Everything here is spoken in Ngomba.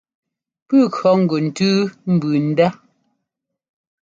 Puu kʉɔ gʉ ntʉ́u mbʉʉ ndá.